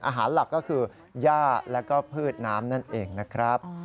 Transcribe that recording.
หลักก็คือย่าแล้วก็พืชน้ำนั่นเองนะครับ